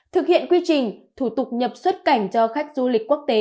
thực hiện quy trình thủ tục nhập xuất cảnh cho khách du lịch quốc tế